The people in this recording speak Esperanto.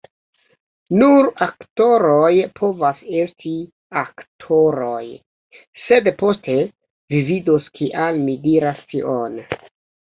Nur aktoroj povas esti aktoroj. sed poste, vi vidos kial mi diras tion.